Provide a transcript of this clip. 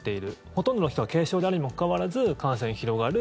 ほとんどの人が軽症であるにもかかわらず感染広がる。